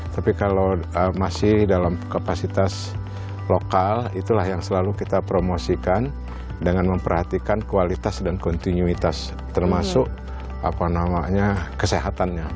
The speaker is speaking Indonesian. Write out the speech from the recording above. tapi kalau masih dalam kapasitas lokal itulah yang selalu kita promosikan dengan memperhatikan kualitas dan kontinuitas termasuk kesehatannya